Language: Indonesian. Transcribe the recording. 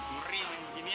ngeri mending begini ya